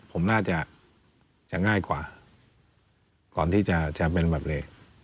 ผมน่าจะง่ายกว่าก่อนที่จะเป็นแบบนี้